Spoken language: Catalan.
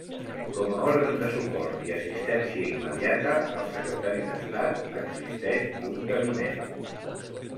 Com a òrgan de suport i assistència immediata al Secretari d'Estat, existeix un Gabinet.